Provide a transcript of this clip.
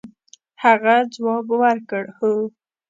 هغه ځواب ورکړ هو.